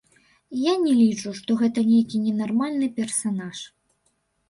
Я не лічу, што гэта нейкі ненармальны персанаж.